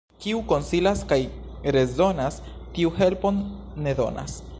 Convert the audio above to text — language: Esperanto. Kiu konsilas kaj rezonas, tiu helpon ne donas.